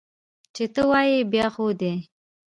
چې ته وایې، بیا خو دي!